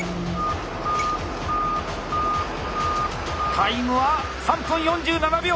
タイムは３分４７秒！